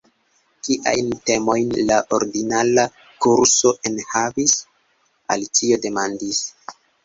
"Kiajn temojn la ordinara kurso enhavis?" Alicio demandis.